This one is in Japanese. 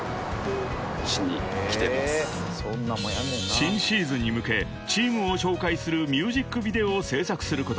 ［新シーズンに向けチームを紹介するミュージックビデオを制作することに］